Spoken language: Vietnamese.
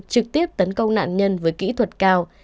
trực tiếp tấn công nạn nhân với kỹ thuật cao